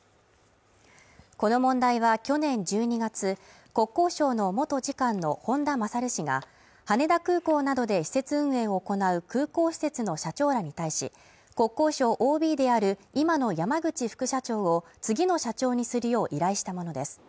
この問題は去年１２月、国交省の元次官の本田勝氏が羽田空港などで施設運営を行う空港施設の社長らに対し、国交省ＯＢである今の山口副社長を次の社長にするよう依頼したものです。